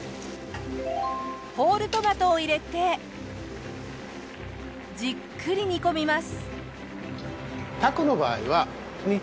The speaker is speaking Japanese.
ホールトマトを入れてじっくり煮込みます。